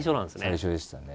最初でしたね。